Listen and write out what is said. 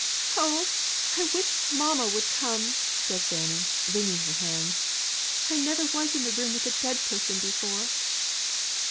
"Oh, I wish mamma would come!" said Fanny, wringing her hands. "I never was in the room with a dead person before."